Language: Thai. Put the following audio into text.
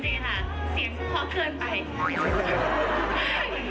เสียงพบเพิ่งเกินไป